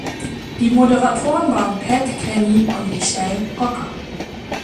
Die Moderatoren waren Pat Kenny und Michelle Rocca.